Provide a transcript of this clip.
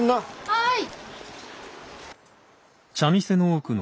はい！